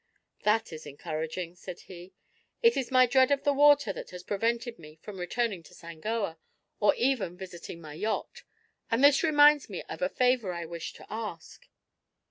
"That is encouraging," said he. "It is my dread of the water that has prevented me from returning to Sangoa, or even visiting my yacht. And this reminds me of a favor I wish to ask."